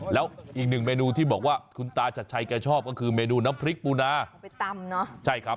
แล้วอีกหนึ่งเมนูที่บอกว่าคุณตาชัดชัยก็ชอบก็คือเมนูน้ำพริกปูนา